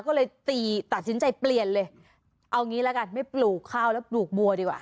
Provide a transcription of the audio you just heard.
ก็เลยตีตัดสินใจเปลี่ยนเลยเอางี้ละกันไม่ปลูกข้าวแล้วปลูกบัวดีกว่า